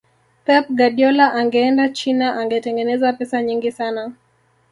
pep guardiola angeenda china angetengeneza pesa nyingi sana